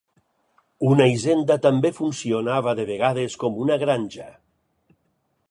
Una hisenda també funcionava de vegades com una granja.